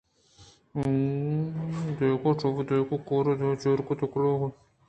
اِندگہ شپ ءَ دہقان کار ءَ دامے چیر کُت ءُ کُلی ئے گپت ءُ ڈبّ ءَ کنان ءَ گورآئی گوٛشت